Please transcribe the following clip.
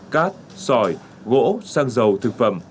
cát sỏi gỗ sang dầu thực phẩm